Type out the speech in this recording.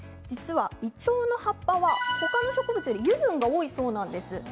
イチョウの葉っぱは他の植物よりも油分が多いそうなんです。